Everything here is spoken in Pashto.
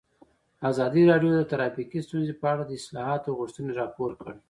ازادي راډیو د ټرافیکي ستونزې په اړه د اصلاحاتو غوښتنې راپور کړې.